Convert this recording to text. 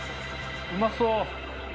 うまそう。